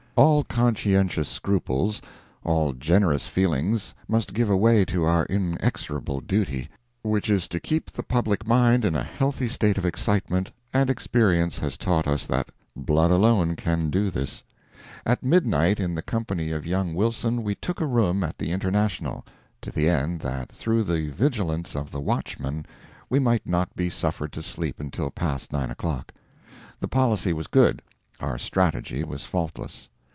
All conscientious scruples—all generous feelings must give way to our inexorable duty—which is to keep the public mind in a healthy state of excitement, and experience has taught us that blood alone can do this. At midnight, in company with young Wilson, we took a room at the International, to the end that through the vigilance of the watchman we might not be suffered to sleep until past nine o'clock. The policy was good—our strategy was faultless.